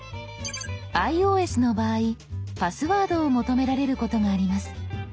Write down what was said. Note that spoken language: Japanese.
ｉＯＳの場合パスワードを求められることがあります。